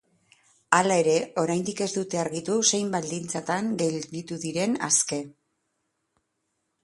Hala ere, oraindik ez dute argitu zein baldintzatan gelditu diren aske.